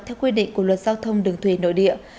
theo quy định của luật giao thông đường thủy nội địa